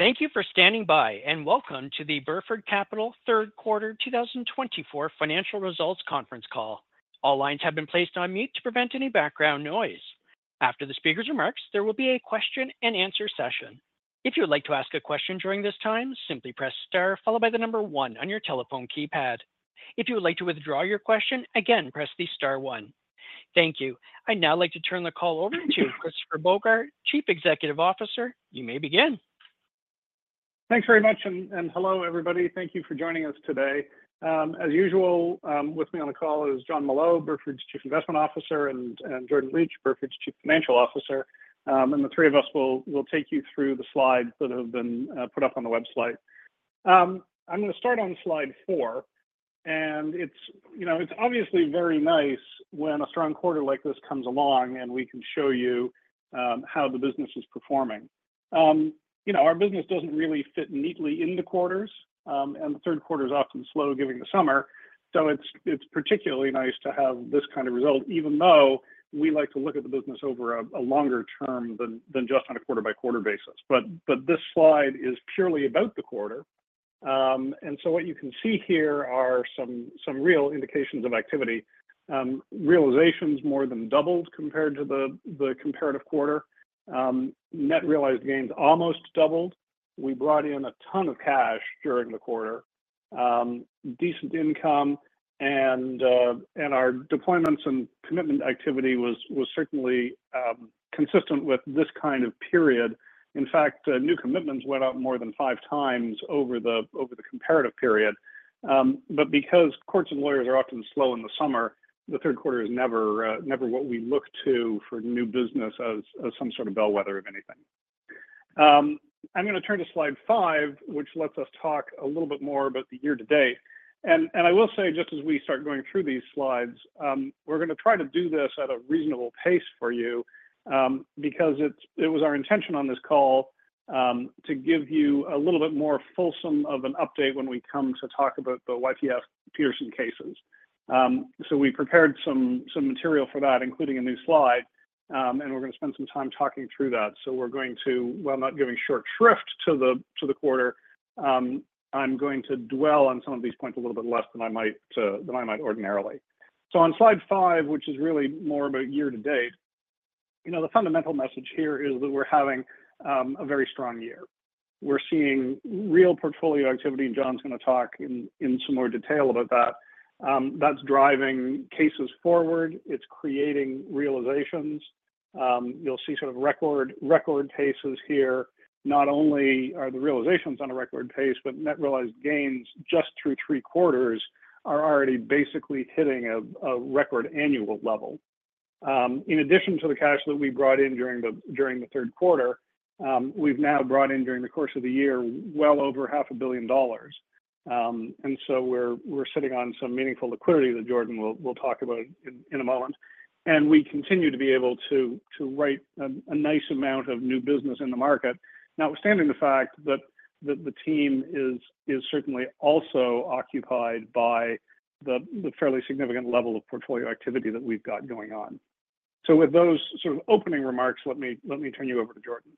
Thank you for standing by, and welcome to the Burford Capital Third Quarter 2024 Financial Results conference call. All lines have been placed on mute to prevent any background noise. After the speaker's remarks, there will be a question and answer session. If you would like to ask a question during this time, simply press star followed by the number one on your telephone keypad. If you would like to withdraw your question again, press the star one. Thank you. I'd now like to turn the call over to Christopher Bogart, Chief Executive Officer. You may begin. Thanks very much and hello everybody. Thank you for joining us today. As usual with me on the call is Jon Molot, Burford's Chief Investment Officer, and Jordan Licht, Burford's Chief Financial Officer. And the three of us will take you through the slides that have been put up on the website. I'm going to start on slide four and it's, you know, it's obviously very nice when a strong quarter like this comes along and we can show you how the business is performing. You know, our business doesn't really fit neatly into quarters and the third quarter is often slow giving the summer. So it's, it's particularly nice to have this kind of result even though we like to look at the business over a longer term than just on a quarter by quarter basis. But this slide is purely about the quarter. What you can see here are some real indications of activity. Realizations more than doubled compared to the comparative quarter. Net realized gains almost doubled. We brought in a ton of cash during the quarter, decent income, and our deployments and commitment activity was certainly consistent with this kind of period. In fact, new commitments went up more than five times over the comparative period. But because courts and lawyers are often slow in the summer, the third quarter is never what we look to for new business as some sort of bellwether of anything. I'm going to turn to slide five, which lets us talk a little bit more about the year-to-date. I will say just as we start going through these slides, we're going to try to do this at a reasonable pace for you because it was our intention on this call to give you a little bit more fulsome of an update when we come to talk about the YPF Petersen cases. So we prepared some material for that, including a new slide. We're going to spend some time talking through that. We're going to, while not giving short shrift to the quarter, I'm going to dwell on some of these points a little bit less than I might ordinarily. So on slide five, which is really more about year-to-date, you know, the fundamental message here is that we're having a very strong year. We're seeing real portfolio activity and Jon's going to talk in some more detail about that. That's driving cases forward. It's creating realizations. You'll see sort of record cases here. Not only are the realizations on a record pace, but net realized gains just through three quarters are already basically hitting a record annual level. In addition to the cash that we brought in during the third quarter, we've now brought in during the course of the year well over $500 million, and so we're sitting on some meaningful liquidity that Jordan will talk about in a moment, and we continue to be able to write a nice amount of new business in the market, notwithstanding the fact that the team is certainly also occupied by the fairly significant level of portfolio activity that we've got going on, so with those sort of opening remarks, let me turn you over to Jordan.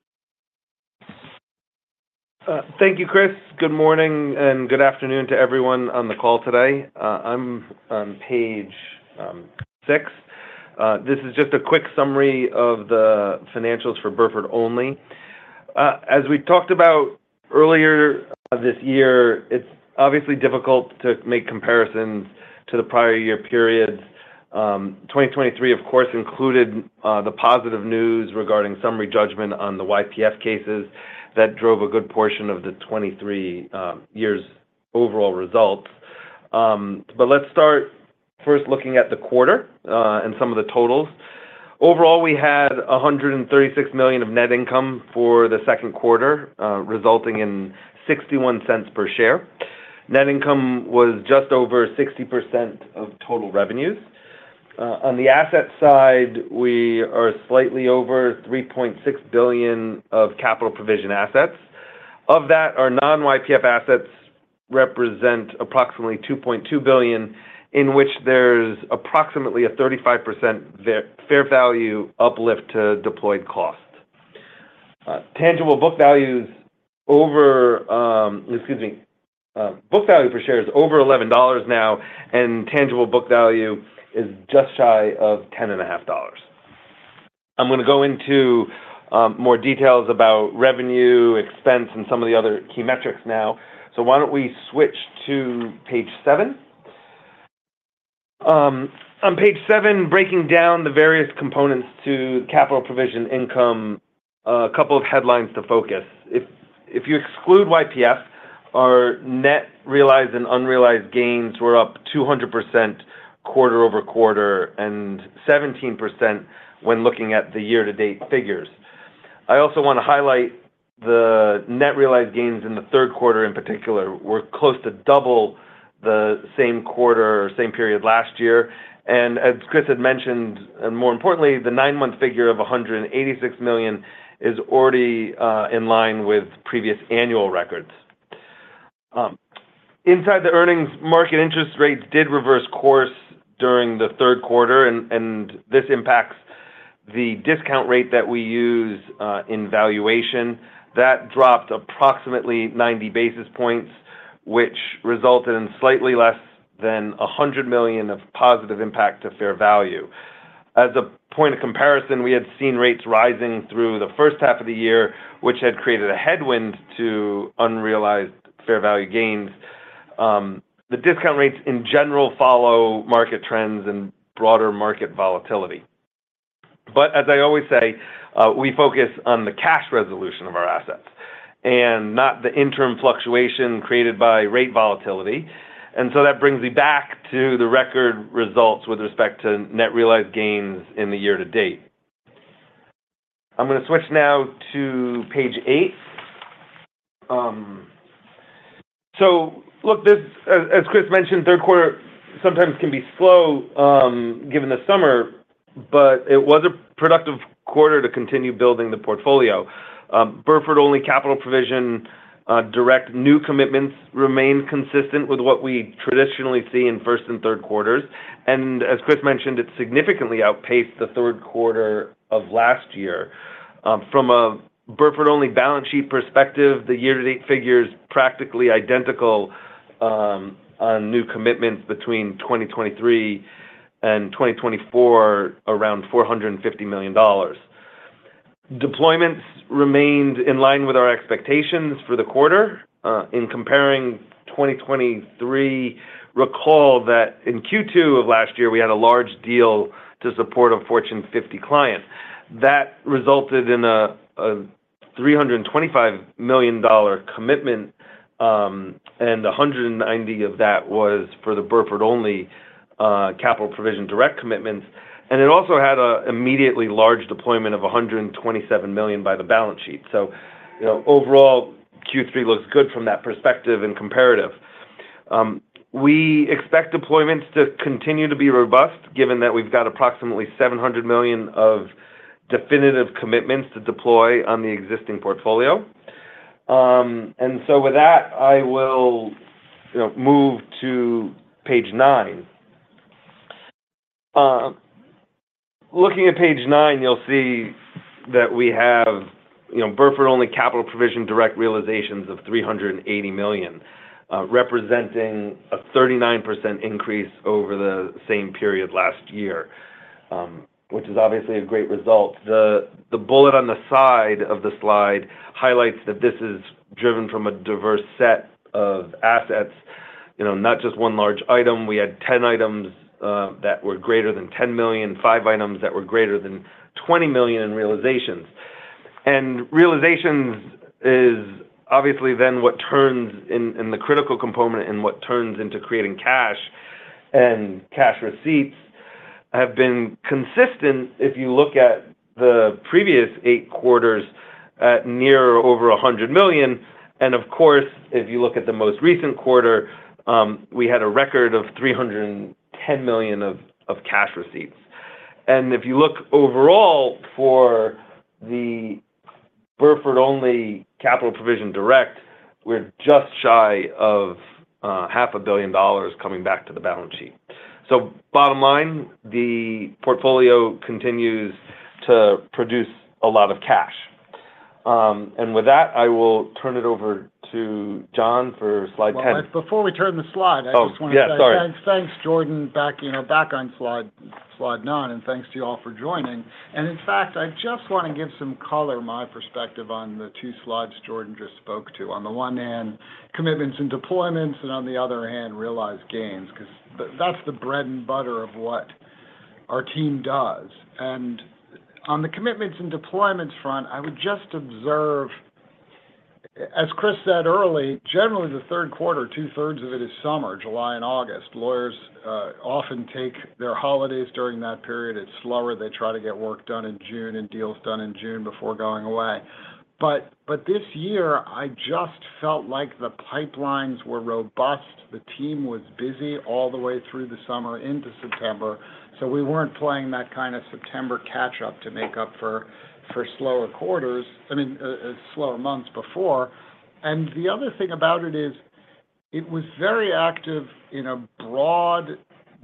Thank you, Chris. Good morning and good afternoon to everyone on the call today. I'm on page six. This is just a quick summary of the financials for Burford only. As we talked about earlier of this year, it's obviously difficult to make comparisons to the prior year periods. 2023 of course included the positive news regarding summary judgment on the YPF cases that drove a good portion of the 2023's overall results. But let's start first looking at the quarter and some of the totals. Overall we had $136 million of net income for the second quarter resulting in $0.61 per share. Net income was just over 60% of total revenues. On the asset side, we are slightly over $3.6 billion of capital provision assets. Of that our non-YPF assets represent approximately $2.2 billion in which there's approximately a 35% fair value uplift to deployed cost. Tangible book value is over, excuse me, book value per share is over $11 now and tangible book value is just shy of $10.5. I'm going to go into more details about revenue, expense and some of the other key metrics now, so why don't we switch to page seven. On page seven breaking down the various components to capital provision income, a couple of headlines to focus. If you exclude YPF, our net realized and unrealized gains were up 200% quarter-over-quarter and 17% when looking at the year-to-date figures. I also want to highlight the net realized gains in the third quarter in particular were close to double the same quarter, same period last year. And as Chris had mentioned, and more importantly, the nine month figure of $186 million is already in line with previous annual records. Inside the earnings market interest rates did reverse course during the third quarter and this impacts the discount rate that we use in valuation. That dropped approximately 90 basis points, which resulted in slightly less than $100 million of positive impact to fair value. As a point of comparison, we had seen rates rising through the first half of the year, which had created a headwind to unrealized fair value gains. The discount rates in general follow market trends and broader market volatility. But as I always say, we focus on the cash resolution of our assets and not the interim fluctuation created by rate volatility. And so that brings me back to the record results with respect to net realized gains in the year-to-date. I'm going to switch now to page 8. Look this, as Chris mentioned, third quarter sometimes can be slow given the summer, but it was a productive quarter to continue building the portfolio. Burford-only capital provision direct new commitments remained consistent with what we traditionally see in first and third quarters. And as Chris mentioned, it significantly outpaced the third quarter of last year. From a Burford-only balance sheet perspective, the year to date figures practically identical on new commitments. Between 2023 and 2024, around $450 million. Deployments remained in line with our expectations for the quarter. In comparing 2023, recall that in Q2 of last year we had a large deal to support a Fortune 50 client that resulted in a $325 million commitment. And $190 million of that was for the Burford-only capital provision direct commitments. And it also had an immediately large deployment of $127 million by the balance sheet. So overall Q3 looks good from that perspective and comparative. We expect deployments to continue to be robust given that we've got approximately $700 million of definitive commitments to deploy on the existing portfolio. And so with that, I will move to page nine. Looking at page nine, you'll see that we have, you know, Burford-only capital provision direct realizations of $380 million, representing a 39% increase over the same period last year, which is obviously a great result. The bullet on the side of the slide highlights that this is driven from a diverse set of assets. You know, not just one large item. We had 10 items that were greater than $10 million, five items that were greater than $20 million in realizations. Realizations is obviously then what turns into the critical component and what turns into creating cash, and cash receipts have been consistent if you look at the previous eight quarters at nearly over $100 million. Of course, if you look at the most recent quarter, we had a record of $310 million of cash receipts. If you look overall for the Burford-only capital provision direct, we're just shy of $500 million coming back to the balance sheet. Bottom line, the portfolio continues to produce a lot of cash. With that, I will turn it over to Jon for slide 10. Before we turn to the slide, I just want to thank Jordan back on slide nine and thanks to you all for joining, and in fact I just want to give some color my perspective on the two slides Jordan just spoke to. On the one hand, commitments and deployments and on the other hand realized gains because that's the bread and butter of what our team does, and on the commitments and deployments front, I would just observe as Chris said earlier, generally the third quarter, 2/3 of it is summer, July and August. Lawyers often take their holidays during that period. It's slower. They try to get work done in June and deals done in June before going away, but this year I just felt like the pipelines were robust. The team was busy all the way through the summer into September. So we weren't playing that kind of September catch up to make up for slower quarters, I mean, slower months before. And the other thing about it is it was very active in a broad,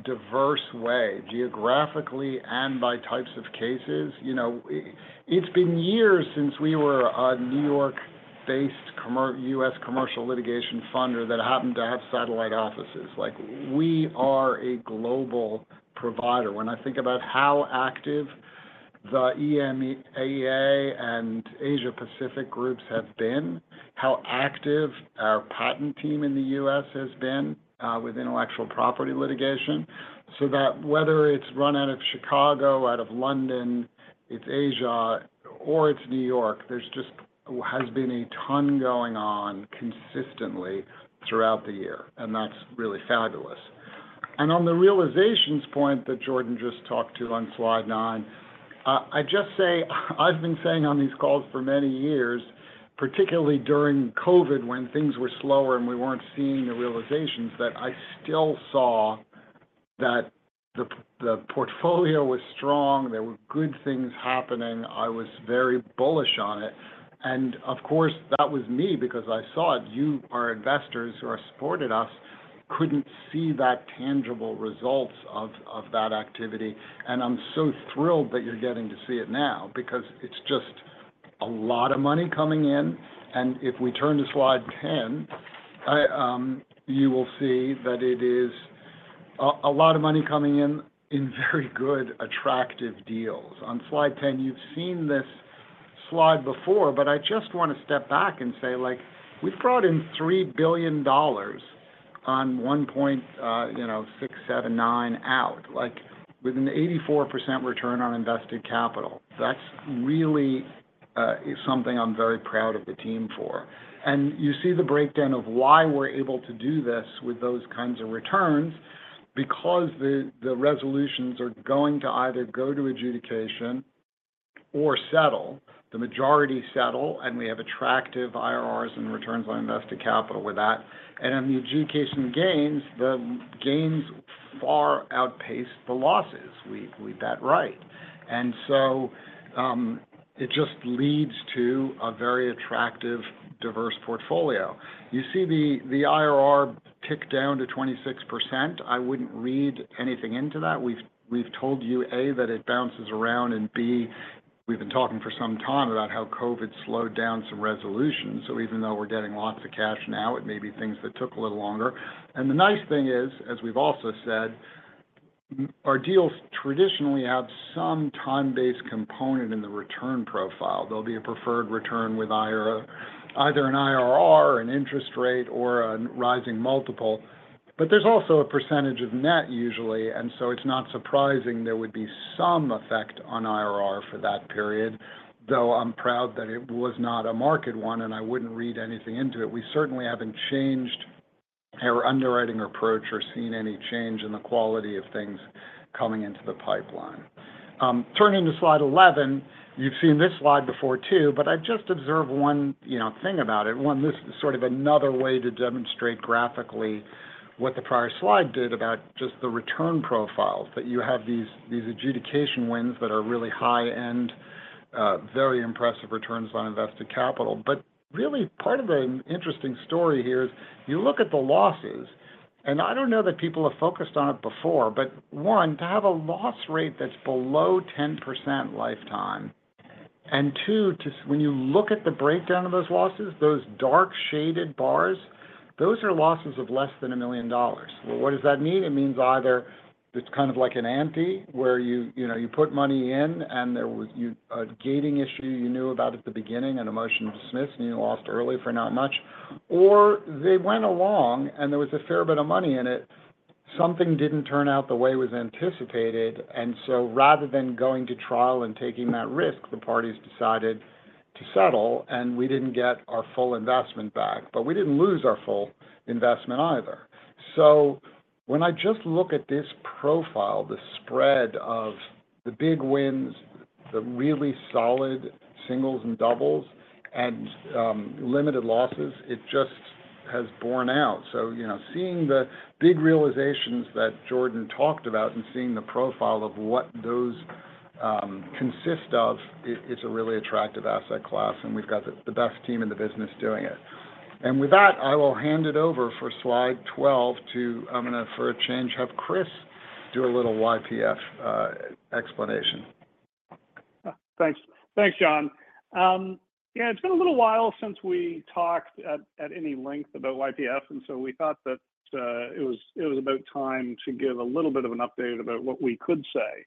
diverse way geographically and by types of cases. You know, it's been years since we were a New York-based U.S. commercial litigation funder that happened to have satellite offices. Like we are a global provider. When I think about how active the EMEA and Asia Pacific groups have been, how active our patent team in the U.S. has been with intellectual property litigation so that whether it's run out of Chicago, out of London, it's Asia or it's New York, there just has been a ton going on consistently throughout the year and that's really fabulous. And on the realizations point that Jordan just talked to on slide nine, I just say I've been saying on these calls for many years, particularly during COVID when things were slower and we weren't seeing the realizations that I still saw that the portfolio was strong, there were good things happening. I was very bullish on it and of course that was me because I saw it. You, our investors who supported us, couldn't see the tangible results of that activity. And I'm so thrilled that you're getting to see it now because it's just a lot of money coming in. And if we turn to slide 10, you will see that it is a lot of money coming in in very good, attractive deals. On slide 10 you've seen this slide before, but I just want to step back and say like we've brought in $3 billion on one point, you know, six, seven, nine out, like with an 84% return on invested capital. That's really something I'm very proud of the team for. And you see the breakdown of why we're able to do this with those kinds of returns because the resolutions are going to either go to adjudication or settle, the majority settle. And we have attractive IRRs and returns on invested capital with that and the adjudication gains, the gains far outpace the losses we [take, right]. And so it just leads to a very attractive diverse portfolio. You see the IRR tick down to 26%. I wouldn't read anything into that. We've told you, A, that it bounces around and, B, we've been talking for some time about how COVID slowed down some resolutions. Even though we're getting lots of cash now, it may be things that took a little longer. The nice thing is, as we've also said, our deals traditionally have some time-based component in the return profile. Though the preferred return with IRR— either an IRR, an interest rate or a rising multiple. There's also a percentage of net usually. It's not surprising there would be some effect on IRR for that period. Though I'm proud that it was not a market one and I wouldn't read anything into it. We certainly haven't changed our underwriting approach or seen any change in the quality of things coming into the pipeline. Turning to Slide 11, you've seen this slide before too, but I just observed one, you know, thing about it. One, this is sort of another way to demonstrate graphically what the prior slide did about just the return profiles that you have these adjudication wins that are really high end, very impressive returns on invested capital. But really part of the interesting story here is you look at the losses and I don't know that people have focused on it before, but one, to have a loss rate that's below 10% lifetime and two, when you look at the breakdown of those losses, those dark shaded bars, those are losses of less than $1 million. Well, what does that mean? It means either it's kind of like an ante where you put money in and there was a gating issue you knew about at the beginning and a motion dismissed. And you lost early for not much or they went along and there was a fair bit of money in it. Something didn't turn out the way it was anticipated. And so rather than going to trial and taking that risk, the parties decided to settle. And we didn't get our full investment back, but we didn't lose our full investment either. So when I just look at this profile, the spread of the big wins, the really solid singles and doubles and limited losses, it just has borne out. So, you know, seeing the big realizations that Jordan talked about and seeing the profit profile of what those consist of, it's a really attractive asset class, and we've got the best team in the business doing it. And with that, I will hand it over for slide 12 to— I'm going to, for a change, have Chris do a little YPF explanation. Thanks. Thanks, Jon. It's been a little while since we talked at any length about YPF, and so we thought that it was about time to give a little bit of an update about what we could say.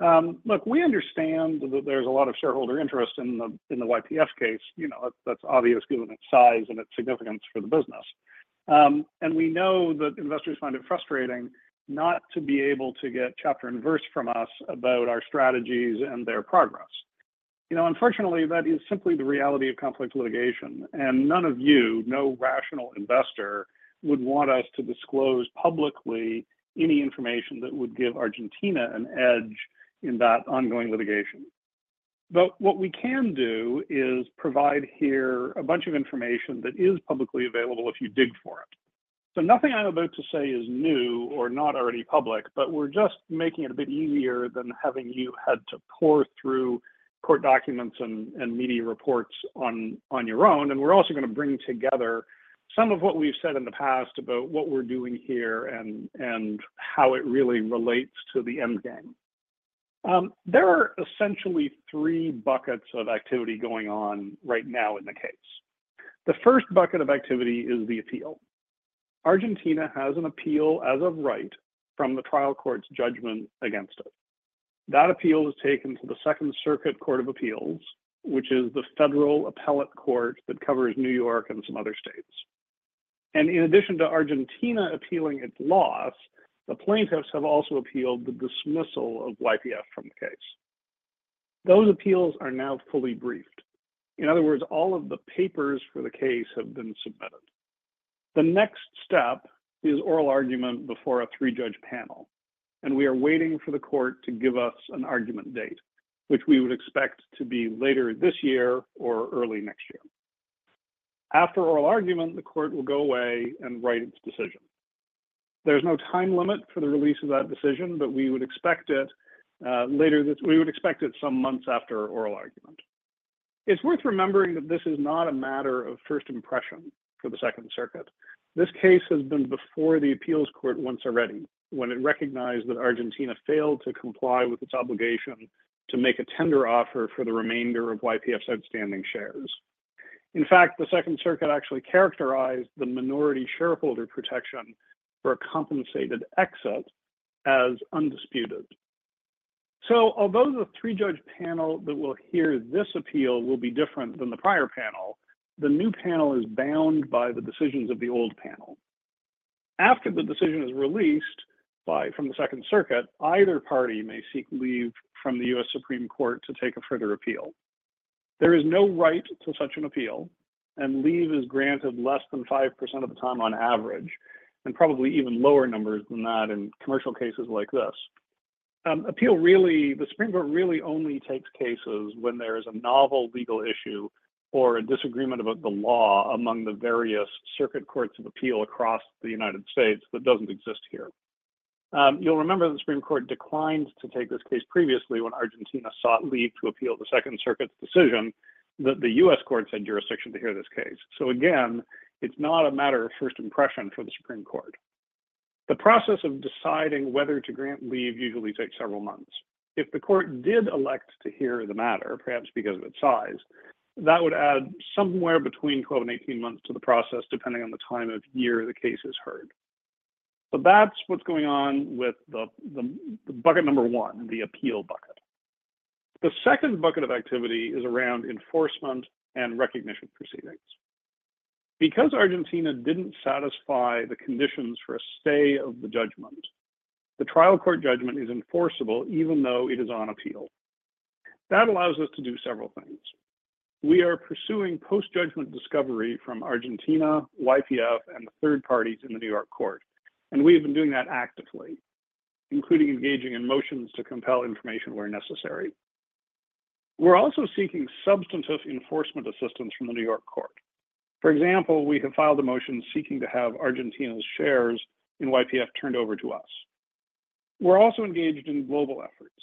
Look, we understand that there's a lot of shareholder interest in the YPF case. You know, that's obvious given its size and its significance for the business. And we know that investors find it frustrating not to be able to get chapter and verse from us about our strategies and their progress. You know, unfortunately, that is simply the reality of conflict litigation. And none of you, no rational investor, would want us to disclose publicly any information that would give Argentina an edge in that ongoing litigation. But what we can do is provide here a bunch of information that is publicly available, if you dig for it. So nothing I'm about to say is new or not already public, but we're just making it a bit easier than having you had to pore through court documents and media reports on your own. And we're also going to bring together some of what we've said in the past about what we're doing here and how it really relates to the end game. There are essentially three buckets of activity going on right now in the case. The first bucket of activity is the appeal. Argentina has an appeal as of right from the trial court's judgment against it, that appeal is taken to the Second Circuit Court of Appeals, which is the federal appellate court that covers New York and some other states. In addition to Argentina appealing its loss, the plaintiffs have also appealed the dismissal of YPF from the case. Those appeals are now fully briefed. In other words, all of the papers for the case have been submitted. The next step is oral argument before a three-judge panel. We are waiting for the court to give us an argument date which we would expect to be later this year or early next year. After oral argument, the court will go away and write its decision. There's no time limit for the release of that decision, but we would expect it later— we would expect it some months after oral argument. It's worth remembering that this is not a matter of first impression for the Second Circuit. This case has been before the appeals court once already when it recognized that Argentina failed to comply with its obligation to make a tender offer for the remainder of YPF's outstanding shares. In fact, the Second Circuit actually characterized the minority shareholder protection for a compensated exit as undisputed. So although the three-judge panel that will hear this appeal will be different than the prior panel, the new panel is bound by the decisions of the old panel. After the decision is released by from the Second Circuit, Either party may seek leave from the U.S. Supreme Court to take a further appeal. There is no right to such an appeal, and leave is granted less than 5% of the time, on average, and probably even lower numbers than that in commercial cases like this, and appeal really, the Supreme Court really only takes cases when there is a novel legal issue or a disagreement about the law among the various circuit courts of appeal across the United States that doesn't exist here. You'll remember the Supreme Court declined to take this case previously, when Argentina sought leave to appeal the second Circuit's decision that the U.S. court said jurisdiction to hear this case. So again, it's not a matter of first impression for the Supreme Court. The process of deciding whether to grant leave usually takes several months. If the court did elect to hear the matter, perhaps because of its size, that would add somewhere between 12 and 18 months to the process, depending on the time of year the case is heard. But that's what's going on with the bucket number one, the appeal bucket. The second bucket of activity is around enforcement and recognition proceedings because Argentina didn't satisfy the conditions for a stay of the judgment, the trial court judgment is enforceable, even though it is on appeal. That allows us to do several things. We are pursuing post judgment discovery from Argentina, YPF, and third parties in the New York court, and we've been doing that actively, including engaging in motions to compel information where necessary. We're also seeking substantive enforcement assistance from the New York court. For example, we have filed a motion seeking to have Argentina's shares in YPF turned over to us. We're also engaged in global efforts.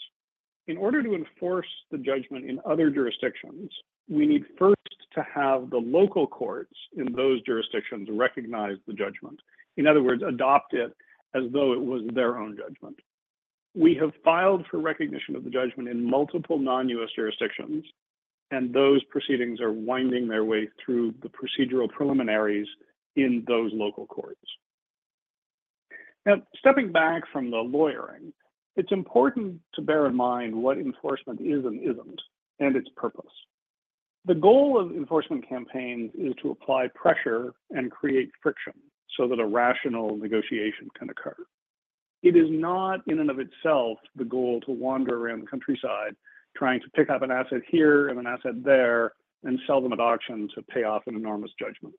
In order to enforce the judgment in other jurisdictions, we need first to have the local courts in those jurisdictions recognize the judgment, in other words, adopt it as though it was their own judgment. We have filed for recognition of the judgment in multiple non-U.S. jurisdictions, and those proceedings are winding their way through the procedural preliminaries in those local courts. Now, stepping back from the lawyering, it's important to bear in mind what enforcement is and isn't and its purpose. The goal of enforcement campaign is to apply pressure and create friction so that a rational negotiation can occur. It is not in and of itself the goal to wander around the countryside trying to pick up an asset here and an asset there and sell them at auction to pay off an enormous judgment.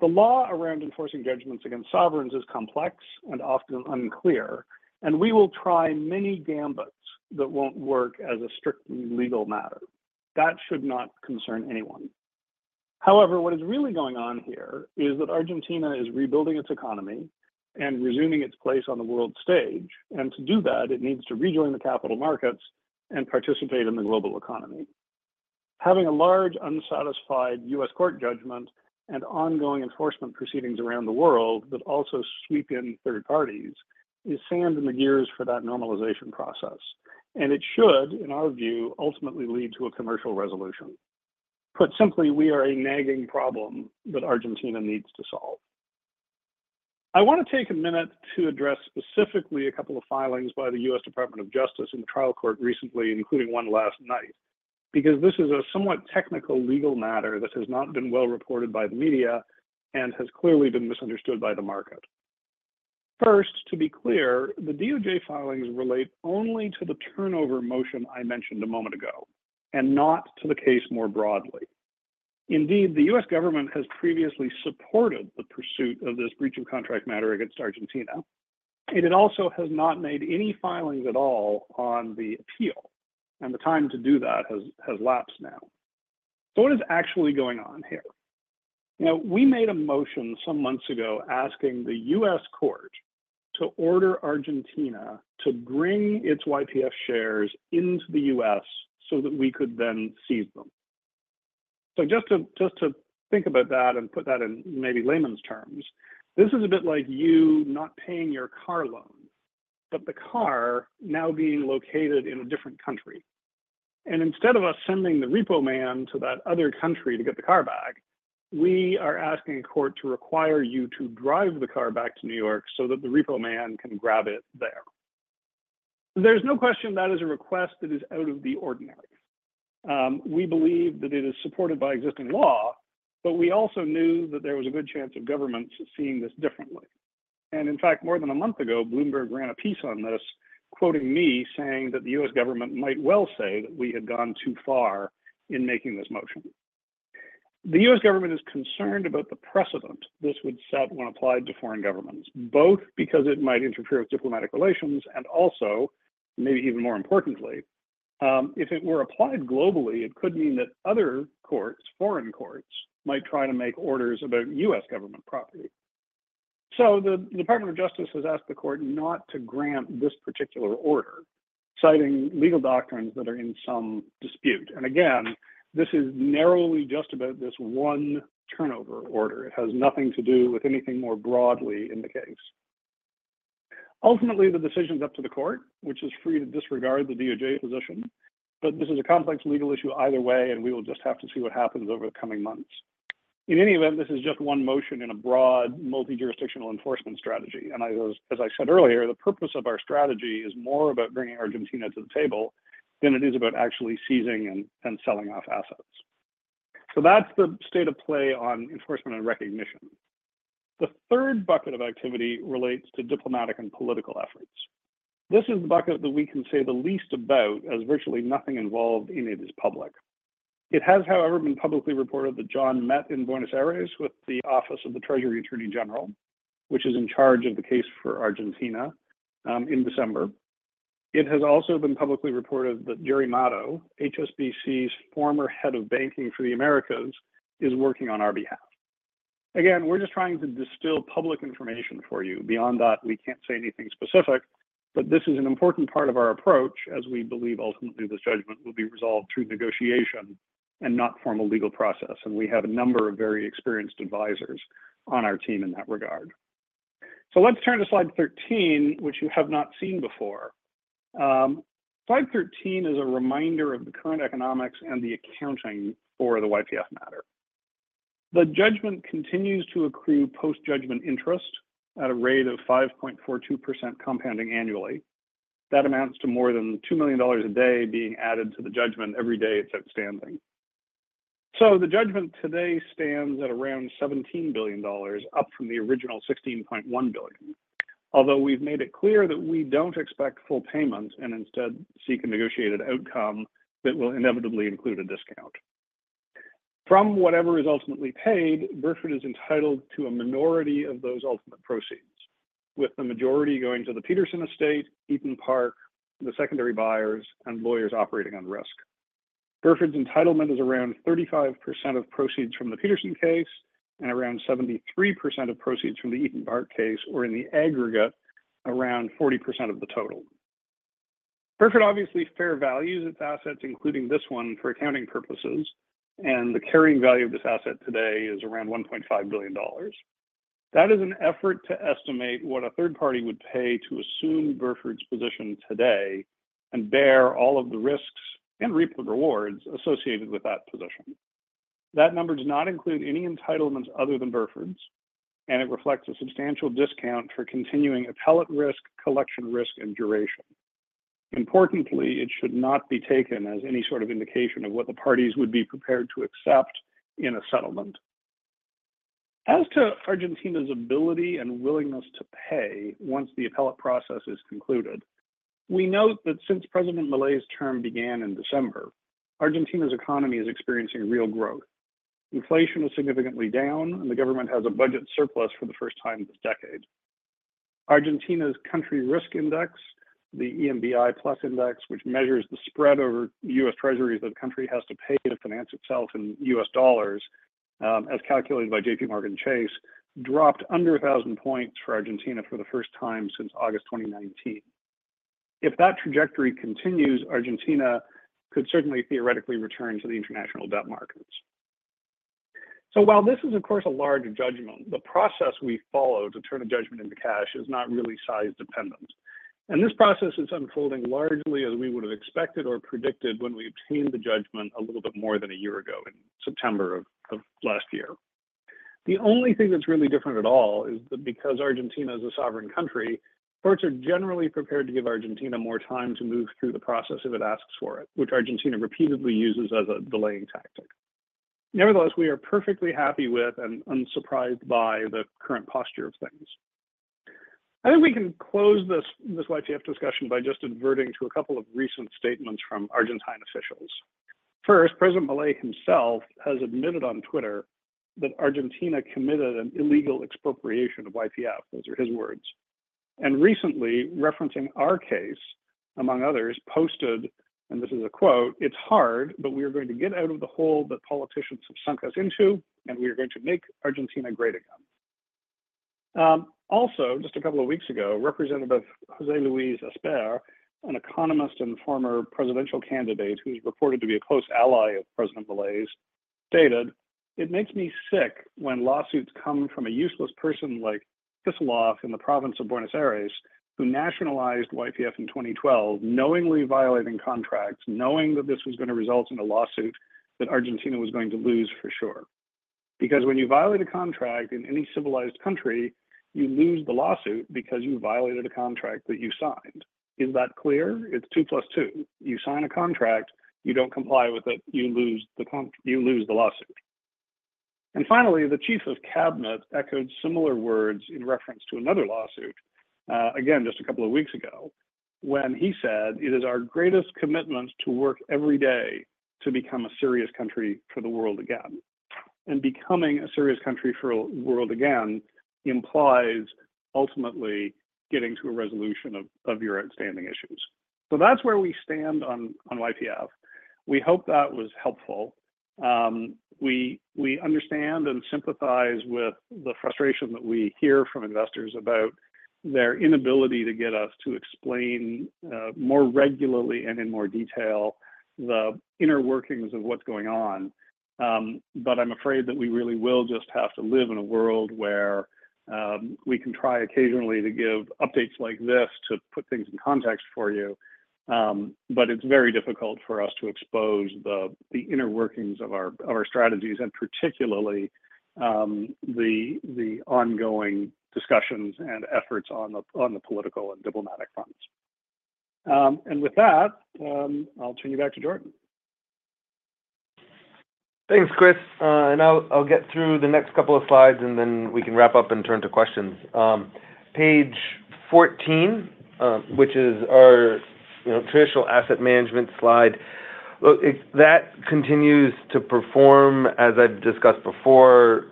The law around enforcing judgments against sovereigns is complex and often unclear, and we will try many gambits that won't work as a strictly legal matter that should not concern anyone. However, what is really going on here is that Argentina is rebuilding its economy and resuming its place on the world stage, and to do that, it needs to rejoin the capital markets and participate in the global economy. Having a large unsatisfied U.S. Court judgment and ongoing enforcement proceedings around the world that also sweep in third parties is sand in the gears for that normalization process, and it should, in our view, ultimately lead to a commercial resolution. Put simply, we are a nagging problem that Argentina needs to solve. I want to take a minute to address specifically a couple of filings by the U.S. Department of Justice in the trial court recently, including one last night, because this is a somewhat technical legal matter that has not been well reported by the media and has clearly been misunderstood by the market. First, to be clear, the DOJ filings relate only to the turnover motion I mentioned a moment ago, and not to the case more broadly. Indeed, the U.S. Government has previously supported the pursuit of this breach of contract matter against Argentina, and it also has not made any filings at all on the appeal and the time to do that has lapsed now. So what is actually going on here? We made a motion some months ago asking the U.S. Court to order Argentina to bring its YPF shares into the U.S. so that we could then seize them. So just to think about that and put that in maybe layman's terms. This is a bit like you not paying your car loan, but the car now being located in a different country. Instead of us sending the repo man to that other country to get the car back, we are asking a court to require you to drive the car back to New York so that the repo man can grab it. There's no question. That is a request that is out of the ordinary. We believe that it is supported by existing law. But we also knew that there was a good chance of governments seeing this differently. In fact, more than a month ago, Bloomberg ran a piece on this quoting me saying that the U.S. Government might well say that we had gone too far in making this motion. The U.S. Government is concerned about the precedent this would set when applied to foreign governments, both because it might interfere with diplomatic relations and also, maybe even more importantly, if it were applied globally, it could mean that other courts, foreign courts, might try to make orders about U.S. Government property, so the Department of Justice has asked the Court not to grant this particular order citing legal doctrines that are in some dispute, and again, this is narrowly just about this one turnover order. It has nothing to do with anything. More broadly, in the case of. Ultimately the decision is up to the Court, which is free to disregard the DOJ position, but this is a complex legal issue either way and we will just have to see what happens over the coming months. In any event, this is just one motion in a broad multi-jurisdictional enforcement strategy, and as I said earlier, the purpose of our strategy is more about bringing Argentina to the table than it is about actually seizing and selling off assets, so that's the state of play on enforcement and recognition. The third bucket of activity relates to diplomatic and political efforts. This is the bucket that we can say the least about as virtually nothing involved in it is public. It has, however, been publicly reported that Jon met in Buenos Aires with the Office of the Treasury Attorney General which is in charge of the case for Argentina in December. It has also been publicly reported that Gerry Mato, HSBC's former Head of Banking for the Americas, is working on our behalf. Again, we're just trying to distill public information for you. Beyond that, we can't say anything specific, but this is an important part of our approach as we believe ultimately this judgment will be resolved through negotiation and not formal legal process, and we have a number of very experienced advisors on our team in that regard, so let's turn to slide 13, which you have not seen before. Slide 13 is a reminder of the current economics and the accounting for the YPF matter. The judgment continues to accrue post-judgment interest at a rate of 5.42% compounding annually. That amounts to more than $2 million a day being added to the judgment every day it's outstanding, so the judgment today stands at around $17 billion, up from the original $16.1 billion. Although we've made it clear that we don't expect full payment and instead seek a negotiated outcome that will inevitably include a discount from whatever is ultimately paid, Burford is entitled to a minority of those ultimate proceeds, with the majority going to the Petersen estate, Eton Park, the secondary buyers and lawyers operating on risk. Burford's entitlement is around 35% of proceeds from the Petersen case and around 73% of proceeds from the Eton Park case, or in the aggregate, around 40% of the total. Burford, obviously fair values its assets, including this one, for accounting purposes, and the carrying value of this asset today is around $1.5 billion. That is an effort to estimate what a third party would pay to assume Burford's position today and bear all of the risks and reap the rewards associated with that position. That number does not include any entitlements other than Burford's, and it reflects a substantial discount for continuing appellate risk, collection, risk and duration. Importantly, it should not be taken as any sort of indication of what the parties would be prepared to accept in a settlement. As to Argentina's ability and willingness to pay once the appellate process is concluded, we note that since President Milei's term began in December, Argentina's economy is experiencing real growth. Inflation is significantly down, and the government has a budget surplus for the first time this decade. Argentina's country risk index, the EMBI+ index, which measures the spread over U.S. treasuries that a country has to pay to finance itself in U.S. dollars, as calculated by JPMorgan Chase, dropped under 1,000 points for Argentina for the first time since August 2019. If that trajectory continues, Argentina could certainly theoretically return to the international debt markets, so while this is of course a large judgment, the process we follow to turn a judgment into cash is not really size dependent, and this process is unfolding largely as we would have expected or predicted when we obtained the judgment a little bit more than a year ago in September of last year. The only thing that's really different at all is that because Argentina is a sovereign country, courts are generally prepared to give Argentina more time to move through the process if it asks for it, which Argentina repeatedly uses as a delaying tactic. Nevertheless, we are perfectly happy with and unsurprised by the current posture of things. I think we can close this YPF discussion by just adverting to a couple of recent statements from Argentine officials. First, President Milei himself has admitted on Twitter that Argentina committed an illegal expropriation of YPF. Those are his words. And recently referencing our case, among others, posted and this is a quote, "it's hard, but we are going to get out of the hole that politicians have sunk us into and we are going to make Argentina great again." Also, just a couple of weeks ago, Representative José Luis Espert, an economist and former presidential candidate who's reported to be a close ally of President Milei's, stated, "it makes me sick when lawsuits come from a useless person like Kicillof in the province of Buenos Aires, who nationalized YPF in 2012, knowingly violating contracts, knowing that this was going to result in a lawsuit that Argentina was going to lose for sure. Because when you violate a contract in any civilized country, you lose the lawsuit because you violated a contract that you signed. Is that clear? It's 2 + 2. You sign a contract, you don't comply with it, you lose the lawsuit. And finally, the Chief of Cabinet echoed similar words in reference to another lawsuit again just a couple of weeks ago, when he said, "It is our greatest commitment to work every day to become a serious country for the world again." And becoming a serious country for the world again implies ultimately getting to a resolution of your outstanding issues. So that's where we stand on YPF. We hope that was helpful. We understand and sympathize with the frustration that we hear from investors about their inability to get us to explain more regularly and in more detail the inner workings of what's going on. But I'm afraid that we really will just have to live in a world where we can try occasionally to give updates like this to put things in context for you. But it's very difficult for us to expose the inner workings of our strategies and particularly the ongoing discussions and efforts on the political and diplomatic fronts. And with that, I'll turn you back to Jordan. Thanks, Chris, and I'll get through the next couple of slides and then we can wrap up and turn to questions, page 14, which is our traditional asset management slide well if that continues to perform. As I've discussed before,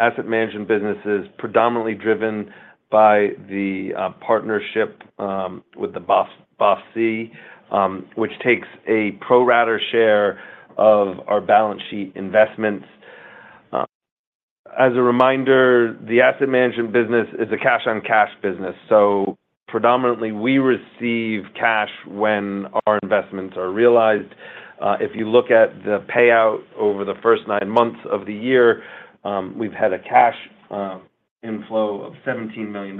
asset management business is predominantly driven by the partnership with the BOF-C, which takes a pro rata share of our balance sheet investments. As a reminder, the asset management business is a cash-on-cash business, so predominantly we receive cash when our investments are realized. If you look at the payout over the first nine months of the year, we've had a cash inflow of $17 million.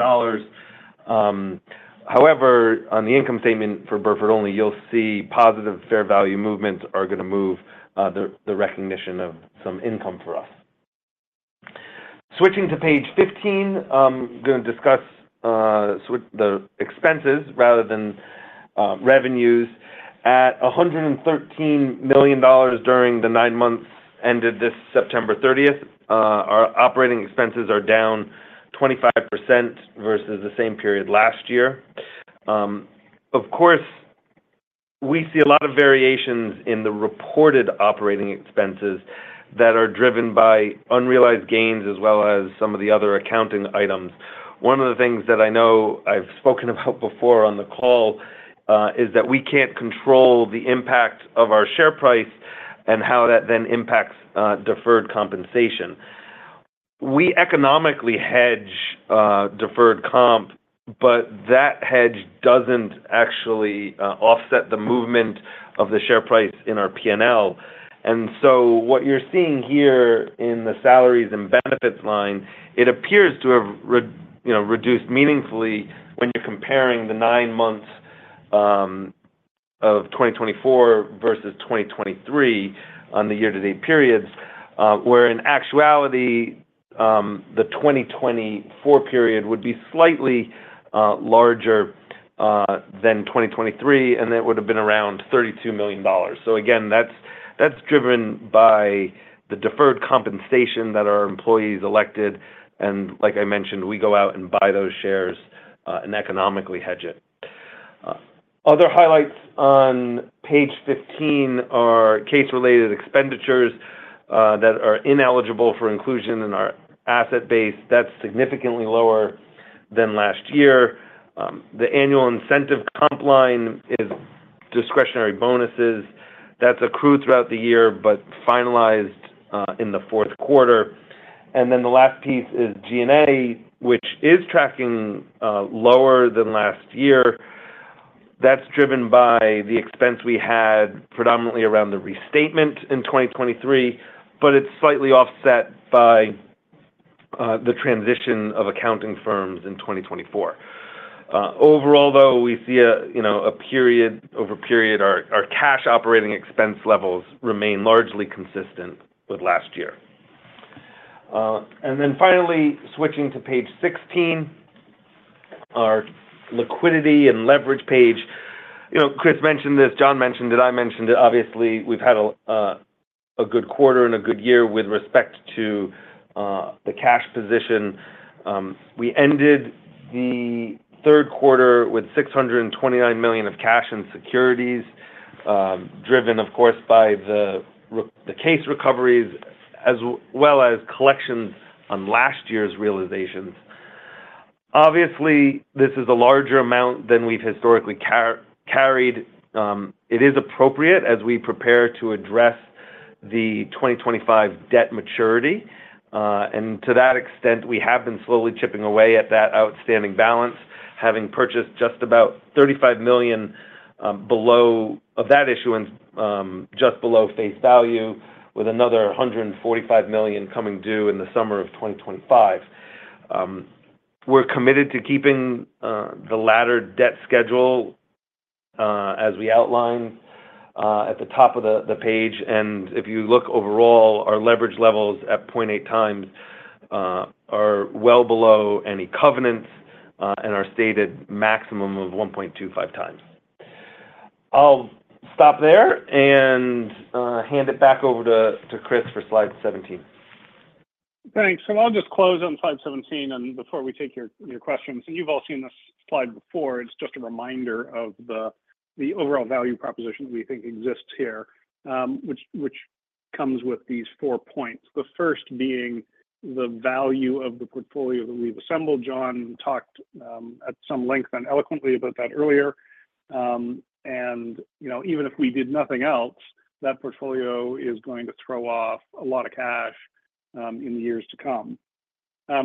However, on the income statement for Burford only, you'll see positive fair value movements are going to move the recognition of some income for us. Switching to Page 15, going to discuss the expenses rather than revenues. At $113 million during the nine months ended September 30th, our operating expenses are down 25% versus the same period last year. Of course, we see a lot of variations in the reported operating expenses that are driven by unrealized gains as well as some of the other accounting items. One of the things that I know I've spoken about before on the call is that we can't control the impact of our share price and how that then impacts deferred compensation. We economically hedge deferred comp. But that hedge doesn't actually offset the movement of the share price in our P&L. So what you're seeing here in the salaries and benefits line, it appears to have reduced meaningfully when you're comparing the nine months of 2024 versus 2023 on the year-to-date periods, where in actuality the 2024 period would be slightly larger than 2023 and that would have been around $32 million. So again, that's driven by the deferred compensation that our employees elected. And like I mentioned, we go out and buy those shares and economically hedge it. Other highlights on page 15 are case-related expenditures that are ineligible for inclusion in our asset base. That's significantly lower than last year. The annual incentive comp line is discretionary bonuses that's accrued throughout the year but finalized in the fourth quarter. And then the last piece is G&A, which is tracking lower than last year. That's driven by the expense we had predominantly around the restatement in 2023, but it's slightly offset by the transition of accounting firms in 2024. Overall, though, we see a period-over-period. Our cash operating expense levels remain largely consistent with last year. And then finally switching to page 16, our liquidity and leverage page. You know, Chris mentioned this, Jon mentioned it, I mentioned it. Obviously, we've had a good quarter and a good year with respect to the cash position. We ended the third quarter with $629 million of cash and securities, securities driven of course by the case recoveries as well as collections on last year's realizations. Obviously, this is a larger amount than we've historically carried. It is appropriate as we prepare to address the 2025 debt maturity. To that extent, we have been slowly chipping away at that outstanding balance, having purchased just about $35 million below of that issuance, just below face value, with another $145 million coming due in the summer of 2025. We're committed to keeping the ladder debt schedule as we outlined at the top of the page. If you look overall, our leverage levels at 0.8x are well below any covenants and our stated maximum of 1.25x. I'll stop there and hand it back over to Chris for slide 17. Thanks. And I'll just close on slide 17. And before we take your questions and you've all seen this slide before, it's just a reminder of the overall value proposition we think exists here which comes with these four points, the first being the value of the portfolio that we've assembled. Jon talked at some length and eloquently about that earlier and you know, even if we did nothing else, that portfolio is going to throw off a lot of cash in the years to come.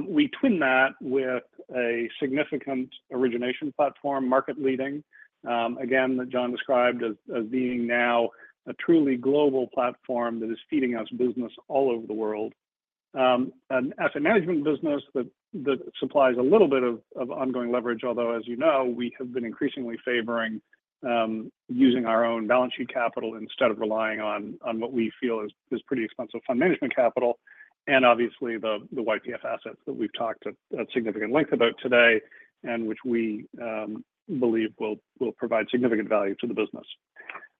We twin that with a significant origination platform market leading again that Jon described as being now a truly global platform that is feeding us business all over the world. An asset management business that supplies a little bit of ongoing leverage. Although as you know, we have been increasingly favoring using our own balance sheet capital instead of relying on what we feel is pretty expensive fund management capital and obviously the YPF assets that we've talked at significant length about today and which we believe will provide significant value to the business.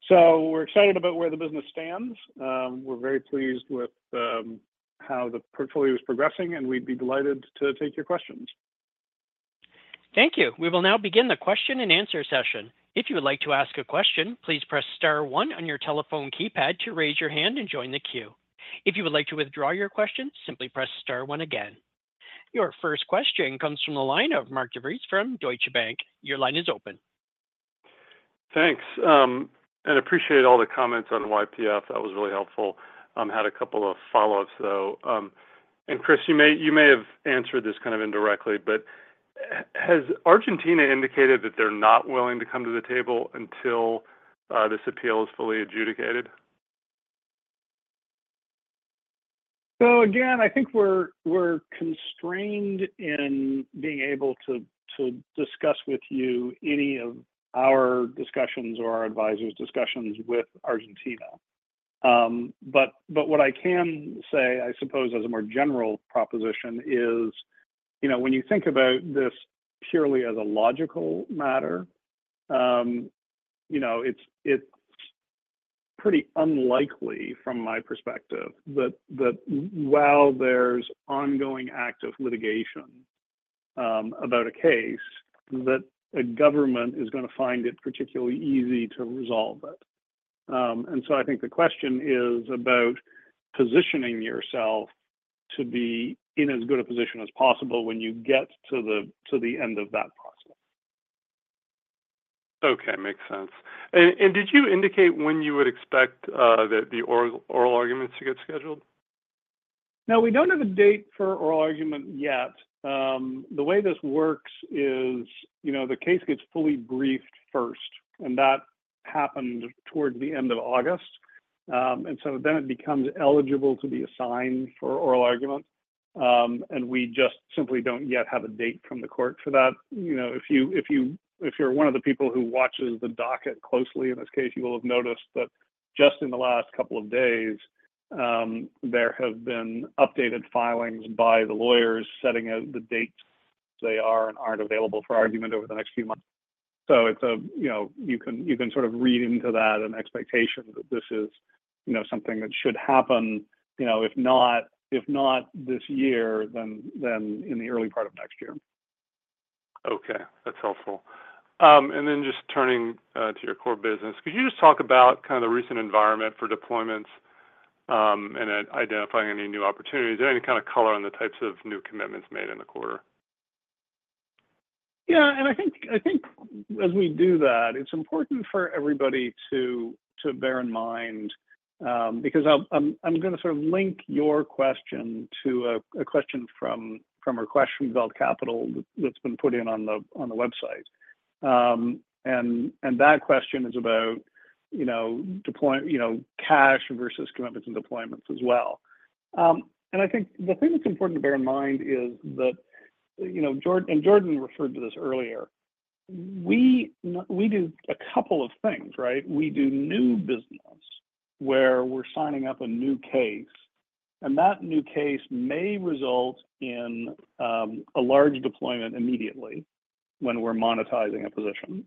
So we're excited about where the business stands, we're very pleased with how the portfolio is progressing and we'd be delighted to take your questions. Thank you. We will now begin the question and answer session. If you would like to ask a question, please press star one on your telephone keypad to raise your hand and join the queue. If you would like to withdraw your question, simply press star one again. Your first question comes from the line of Mark DeVries from Deutsche Bank. Your line is open. Thanks and appreciate all the comments on YPF. That was really helpful. Had a couple of follow-ups though. And Chris, you may have answered this kind of indirectly, but has Argentina indicated that they're not willing to come to the table until this appeal is fully adjudicated? So again I think we're constrained in being able to discuss with you any of our discussions or our advisors discussions with Argentina. But what I can say, I suppose as a more general proposition is when you think about this purely as a logical matter, you know, it's pretty unlikely from my perspective that while there's ongoing act of litigation about a case that a government is going to find it particularly easy to resolve it. And so I think the question is about positioning yourself to be in as good a position as possible when you get to the end of that possible. Okay, makes sense. And did you indicate when you would expect that the oral arguments to get scheduled? No, we don't have a date for oral argument yet. The way this works is, you know, the case gets fully briefed first, and that happened towards the end of August. And so then it becomes eligible to be assigned for oral argument. And we just simply don't yet have a date from the court for that. You know, if you're one of the people who watches the docket closely in this case, you will have noticed that just in the last couple of days, there have been updated filings by the lawyers setting out the dates. They are and aren't available for argument over the next few months. So it's a, you know, you can, you can sort of read into that an expectation that this is, you know, something that should happen. You know, if not, if not this year, then in the early part of next year. Okay, that's helpful. And then just turning to your core business, could you just talk about kind of the recent environment for deployments and identifying any new opportunities, any kind of color on the types of new commitments made in the quarter? Yeah, and I think as we do that, it's important for everybody to, to bear in mind, because I'm going to sort of link your question to a question from Rakesh from [Belt Capital] that's been put in on the website. And that question is about cash versus commitments and deployments as well. I think the thing that's important to bear in mind is that, and Jordan referred to this earlier, we do a couple of things, right? We do new business where we're signing up a new case, and that new case may result in a large deployment immediately when we're monetizing a position,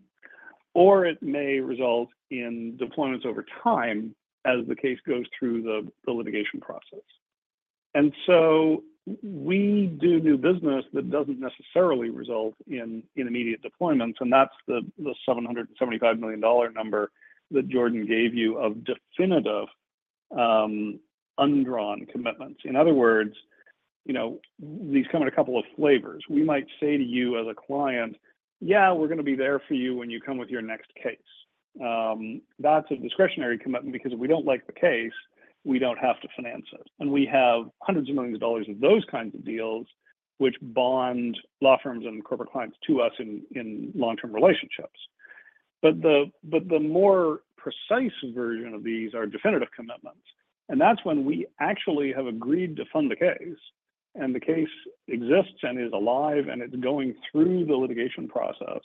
or it may result in deployments over time as the case goes through the litigation process. And so we do new business that doesn't necessarily result in immediate deployments. And that's the $775 million number that Jordan gave you of definitive undrawn commitments. In other words, you know, these come in a couple of flavors, we might say to you as a client. Yeah, we're going to be there for you when you come with your next case. That's a discretionary commitment, because if we don't like the case, we don't have to finance it. We have hundreds of millions of dollars of those kinds of deals which bond law firms and corporate clients to us in long-term relationships. The more precise version of these are definitive commitments. That's when we actually have agreed to fund the case. The case exists and is alive and it's going through the litigation process.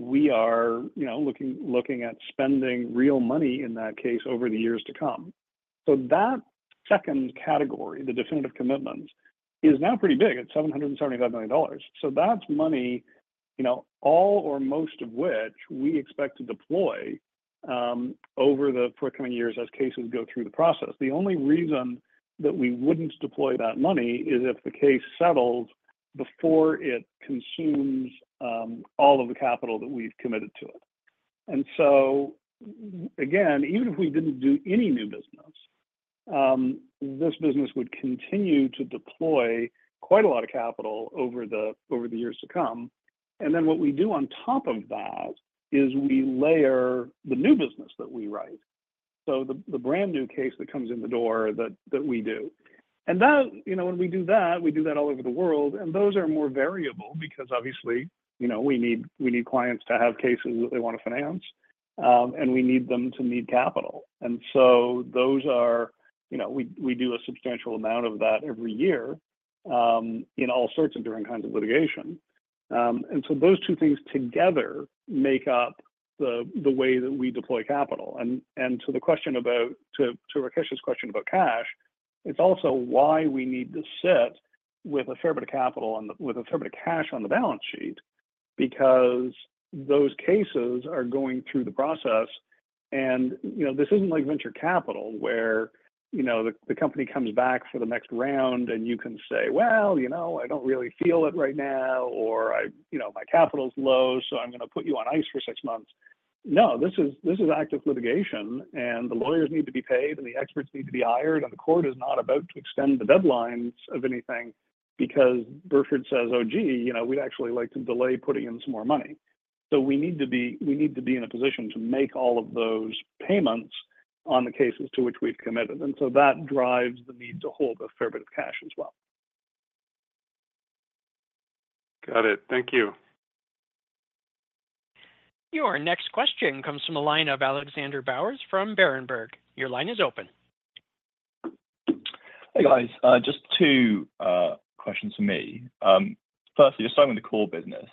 We are, you know, looking at spending real money in that case over the years to come. That second category, the definitive commitments, is now pretty big at $775 million. That's money, all or most of which we expect to deploy over the forthcoming years as cases go through the process. The only reason that we wouldn't deploy that money is if the case settles before it consumes all of the capital that we've committed to it. And so again, even if we didn't do any new business, this business would continue to deploy quite a lot of capital over the years to come. And then what we do on top of that is we layer the new business that we write. So the brand new case that comes in the door that we do. And now, you know, when we do that, we do that all over the world. And those are more variable because obviously, you know, we need clients to have cases that they want to finance and we need them to need capital. And so those are, you know, we do a substantial amount of that every year in all sorts of different kinds of litigation. And so those two things together make up the way that we deploy capital. To the question about, to Rakesh's question about cash, it's also why we need to set, with a fair bit of capital, with a fair bit of cash on the balance sheet, because those cases are going through the process. You know, this isn't like venture capital where, you know, the company comes back for the next round and you can say, well, you know, I don't really feel it right now, or I, you know, my capital's low, so I'm going to put you on ice for six months. No, this is active litigation and the lawyers need to be paid and the experts need to be hired. The court is not about to extend the deadlines of anything because Burford says, oh, gee, you know, we'd actually like to delay putting in some more money. So we need to be, we need to be in a position to make all of those payments on the cases to which we've committed. And so that drives the need to hold a fair bit of cash as well. Got it. Thank you. Your next question comes from the line of Alexander Bowers from Berenberg. Your line is open. Hey, guys, just two questions for me. Firstly, you're starting with the core business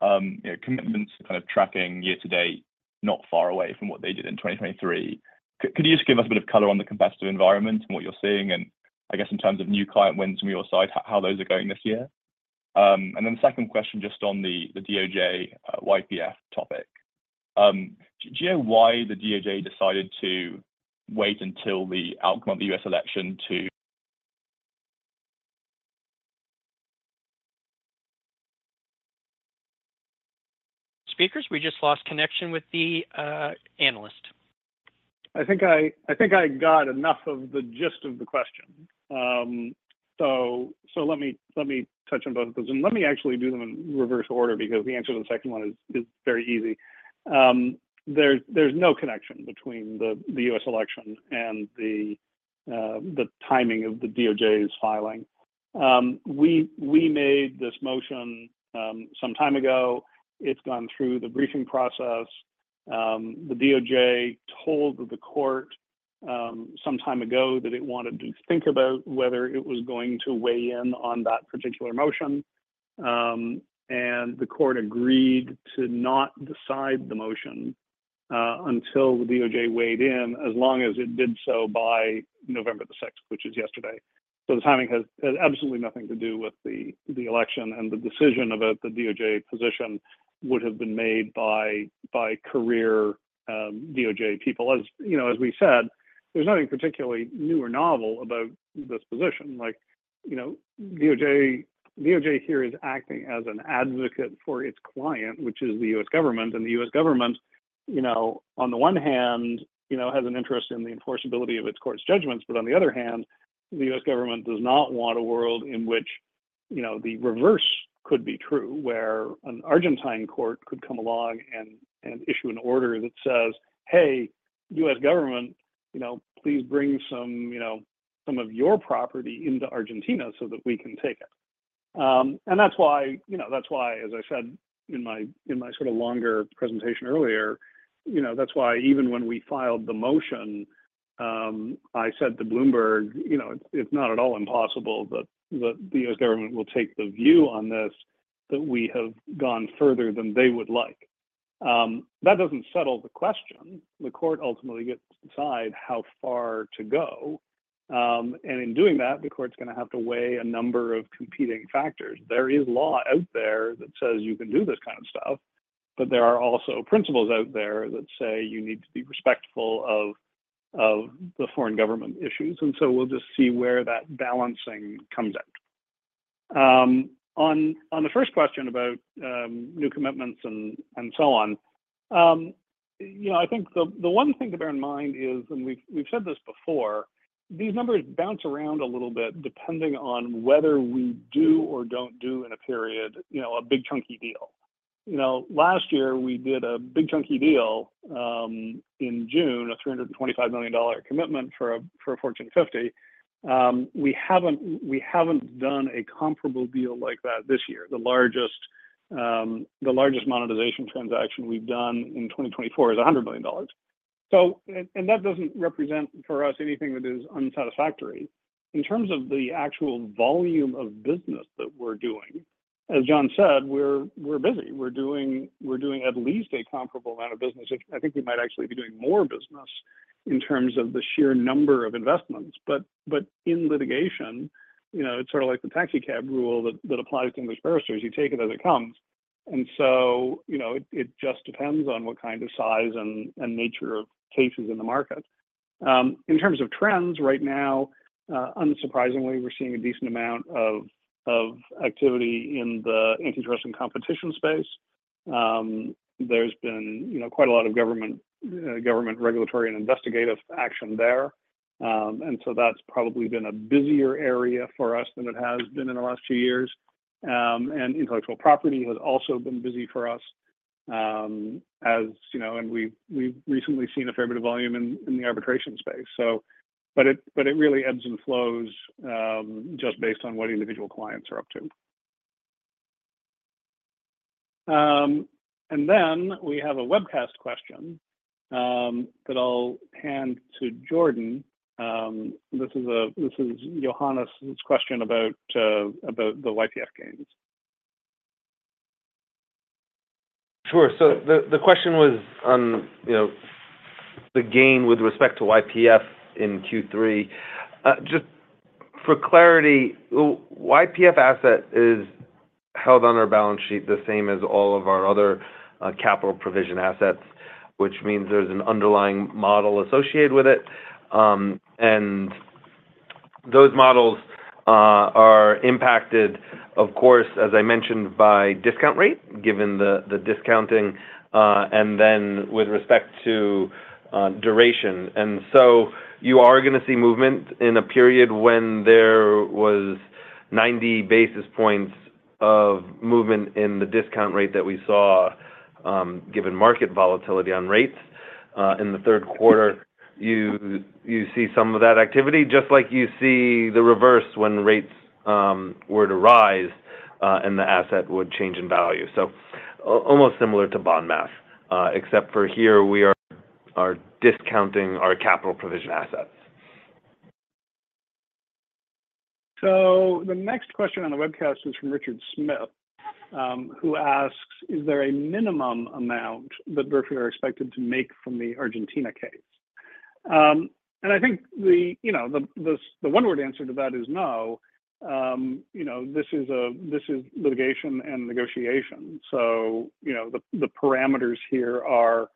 commitments kind of tracking year-to-date, not far away from what they did in 2023. Could you just give us a bit of color on the competitive environment and what you're seeing, and I guess in terms of new client wins from your side, how those are going this year? And then second question, just on the DOJ, YPF topic, do you know why the DOJ decided to wait until the outcome of the U.S. election to— We just lost connection with the analyst. I think I got enough of the gist of the question. So let me touch on both of those and let me actually do them in reverse order because the answer to the second one is very easy. There's no connection between the U.S. election and the timing of the DOJ's filing. We made this motion some time ago. It's gone through the briefing process. The DOJ told the court some time ago that it wanted to think about whether it was going to weigh in on that particular motion. And the court agreed to not decide the motion until the DOJ weighed in, as long as it did so by November 6th, which is yesterday. So the timing has absolutely nothing to do with the election. And the decision about the DOJ position would have been made by career DOJ people. As you know, as we said, there's nothing particularly new or novel about this position. Like, you know, DOJ, DOJ here is acting as an advocate for its client, which is the U.S. Government. And the U.S. government, you know, on the one hand, you know, has an interest in the enforceability of its court's judgments. But on the other hand, the U.S. Government does not want a world in which, you know, the reverse could be true, where an Argentine court could come along and issue an order that says, hey, U.S. Government, you know, please bring some, you know, some of your property into Argentina so that we can take it. And that's why, you know, that's why, as I said in my sort of longer presentation earlier, you know, that's why even when we filed the motion, I said to Bloomberg, you know, it's not at all impossible that the U.S. Government will take the view on this, that we have gone further than they would like. That doesn't settle the question. The court ultimately gets decide how far to go. And in doing that, the court's going to have to weigh a number of competing factors. There is law out there that says you can do this kind of stuff, but there are also principles out there that say you need to be respectful of the foreign government. Issues. And so we'll just see where that balancing comes out. On the first question about new commitments and so on. You know, I think the one thing to bear in mind is, and we've said this before, these numbers bounce around a little bit depending on whether we do or don't do in a period. You know, a big chunky deal. You know, last year we did a big chunky deal in June, a $325 million commitment for a Fortune 50. We haven't done a comparable deal like that this year. The largest monetization transaction we've done in 2024 is $100 million. So— and that doesn't represent for us anything that is unsatisfactory in terms of the actual volume of business that we're doing. As Jon said, we're busy. We're doing at least a comparable amount of business. I think we might actually be doing more business in terms of the sheer number of investments. But in litigation, it's sort of like the taxicab rule that applies to English barristers. You take it as it comes. And so, you know, it just depends on what kind of size and nature of cases in the market. In terms of trends right now, unsurprisingly, we're seeing a decent amount of activity in the antitrust and competition space. There's been quite a lot of government regulatory and investigative action there. And so that's probably been a busier area for us than it has been in the last few years. Intellectual property has also been busy for us, as you know. We've recently seen a fair bit of volume in the arbitration space. But it really ebbs and flows just based on what individual clients are up to. We have a webcast question that I'll hand to Jordan. This is Johannes' question about the YPF gains. Sure. So the question was on the gain with respect to YPF in Q3, just for clarity, YPF asset is held on our balance sheet the same as all of our other capital provision assets, which means there's an underlying model associated with it. And those models are impacted, of course, as I mentioned, by discount rate, given the discounting, and then with respect to duration. And so you are going to see movement in a period when there was 90 basis points of movement in the discount rate that we saw, given market volatility on rates in the third quarter, you see some of that activity, just like you see the reverse when rates were to rise and the asset would change in value. So almost similar to bond math except for here we are discounting our capital provision assets. So the next question on the webcast is from Richard Smith, who asks, is there a minimum amount that Burford are expected to make from the Argentina case? And I think the one word answer to that is no. You know, this is litigation and negotiation. So, you know, the parameters here are,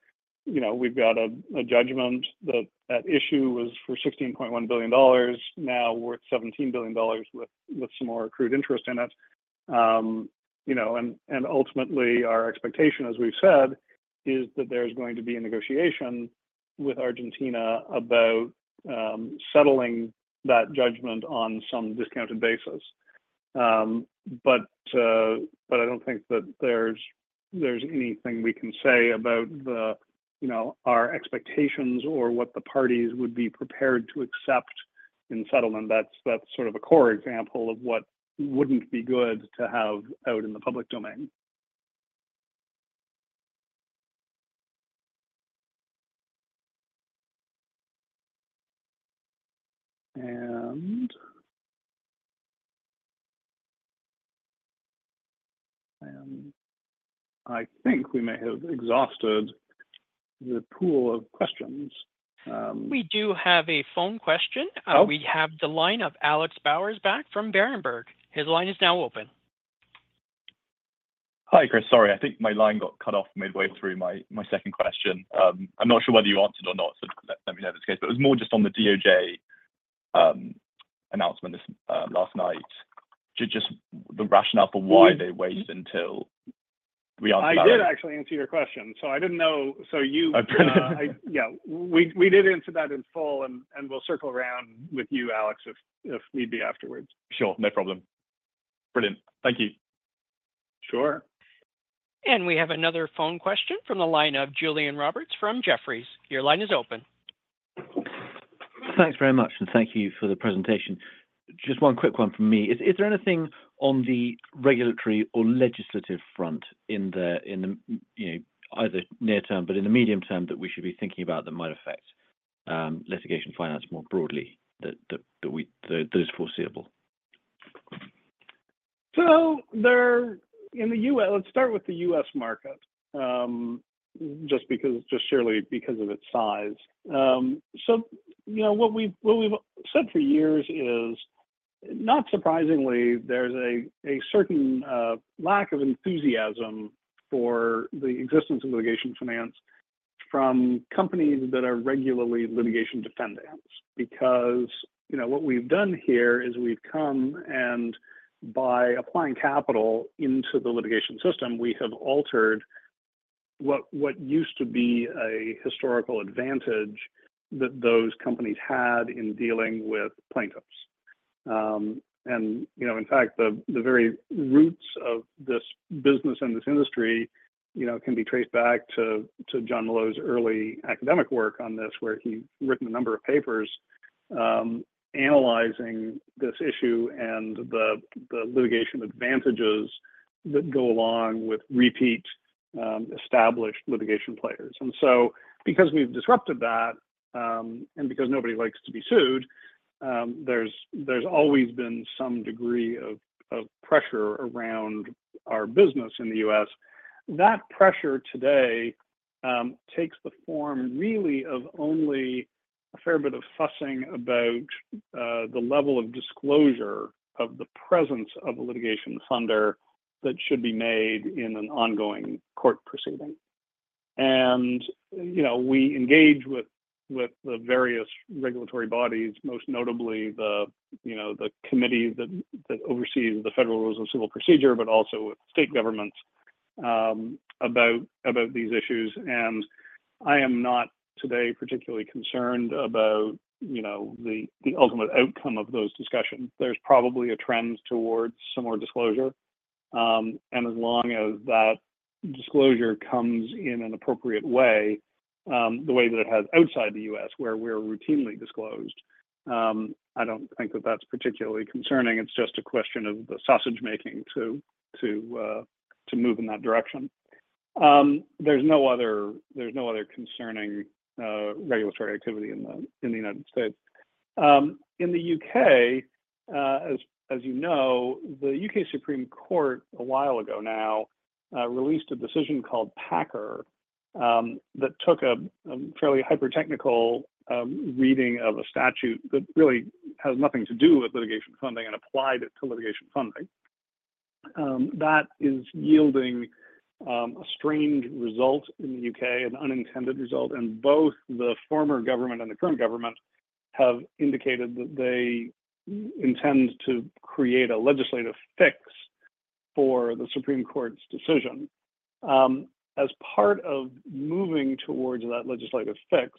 you know, we've got a judgment that issued was for $16.1 billion now worth $17 billion with some more accrued interest in it, you know, and ultimately our expectation, as we've said, is that there's going to be a negotiation with Argentina about settling that judgment on some discounted basis. But I don't think that there's anything we can say about our expectations or what the parties would be prepared to accept in settlement. That's sort of a core example of what wouldn't be good to have out in the public domain. And— and I think we may have exhausted the pool of questions. We do have a phone question. We have the line of Alex Bowers back from Berenberg. His line is now open. Hi, Chris. Sorry, I think my line got cut off midway through my second question. I'm not sure whether you answered or not so, let me know this case. But it was more just on the DOJ announcement last night. Just the rationale for why they wait until we are— I did actually answer your question, so I didn't know— so you. Yeah, we did answer that in full. We'll circle around with you, Alex, if you, if need be, afterwards. Sure, no problem. Brilliant. Thank you. Sure. And we have another phone question from the line of Julian Roberts from Jefferies. Your line is open. Thanks very much and thank you for the presentation. Just one quick one from me. Is there anything on the regulatory or legislative front in the either near term, but in the medium term that we should be thinking about that might affect litigation finance more broadly? That is foreseeable. So there in the U.S., let's start with the U.S. market just because. Just, surely, because of its size. So, you know, what we've said for years is, not surprisingly, there's a certain lack of enthusiasm for the existence of litigation finance from companies that are regularly litigation defendants. Because, you know, what we've done here is we've come and by applying capital into the litigation system, we have altered what used to be a historical advantage that those companies had in dealing with plaintiffs. And, you know, in fact, the very roots of this business and this industry, you know, can be traced back to Jon Molot's early academic work on this, where he written a number of papers analyzing this issue and the litigation advantages that go along with repeat established litigation players. Because we've disrupted that and because nobody likes to be sued, there's always been some degree of pressure around our business in the U.S. That pressure today takes the form really of only a fair bit of fussing about the level of disclosure of the presence of a litigation funder that should be made in an ongoing court proceeding. You know, we engage with the various regulatory bodies, most notably the, you know, committee that oversees the Federal Rules of Civil Procedure, but also state governments about these issues. I am not today particularly concerned about, you know, the ultimate outcome of those discussions. There's probably a trend towards some more disclosure. As long as that disclosure comes in an appropriate way, the way that it has outside the U.S. where we're routinely disclosed, I don't think that that's particularly concerning. It's just a question of the sausage making to move in that direction. There's no other concerning regulatory activity in the United States. In the U.K., as you know, the U.K. Supreme Court a while ago now released a decision called PACCAR that took a fairly hyper technical reading of a statute that really has nothing to do with litigation funding and applied it to litigation funding that is yielding a strange result in the U.K., an unintended result, and both the former government and the current government have indicated that they intend to create a legislative fix for the Supreme Court's decision. As part of moving towards that legislative fix,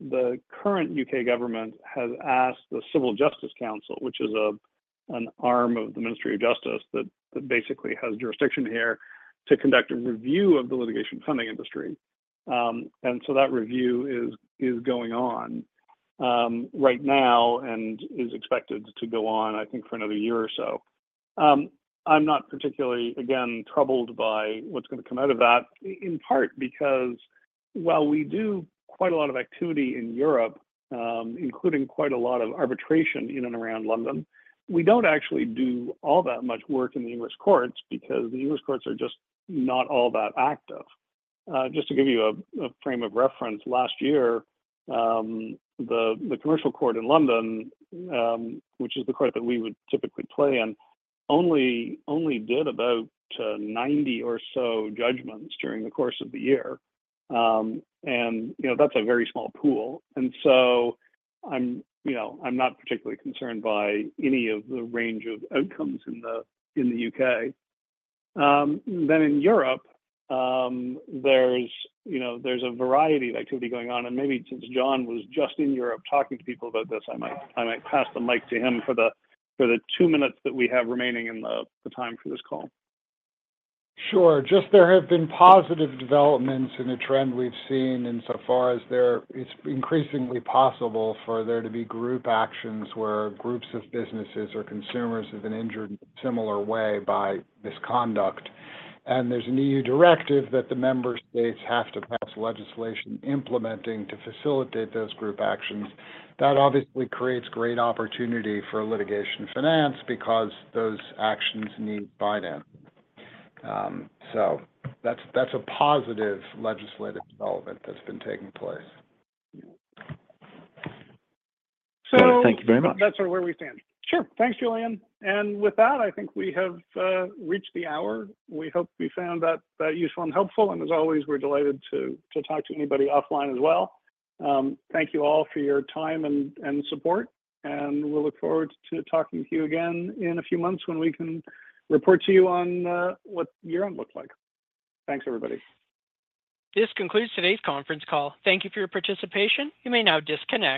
the current U.K. government has asked the Civil Justice Council, which is an arm of the Ministry of Justice that basically has jurisdiction here, to conduct a review of the litigation funding industry. That review is going on right now and is expected to go on, I think, for another year or so. I'm not particularly, again, troubled by what's going to come out of that, in part because while we do quite a lot of activity in Europe, including quite a lot of arbitration in and around London, we don't actually do all that much work in the English courts because the U.S. courts are just not all that active. Just to give you a frame of reference, last year the Commercial Court in London, which is the court that we would typically play, only did about 90 or so judgments during the course of the year. You know, that's a very small pool. And so, you know, I'm not particularly concerned by any of the range of outcomes in the U.K. Then in Europe, you know, there's a variety of activity going on. And maybe since Jon was just in Europe talking to people about this, I might pass the mic to him for the two minutes that we have remaining in the time for this call. Sure. Just. There have been positive developments in a trend we've seen insofar as it's increasingly possible for there to be group actions where groups of businesses or consumers have been injured in a similar way by misconduct, and there's an EU directive that the member states have to pass legislation implementing to facilitate those group actions. That obviously creates great opportunity for litigation finance because those actions need [finance], so that's a positive legislative development that's been taking place. Thank you very much. So that's where we stand. Sure. Thanks, Julian. And with that, I think we have reached the hour. We hope we found that useful and helpful and as always, we're delighted to talk to anybody offline as well. Thank you all for your time and support and we'll look forward to talking to you again in a few months when we can report to you on what year end looked like. Thanks, everybody. This concludes today's conference call. Thank you for your participation. You may now disconnect.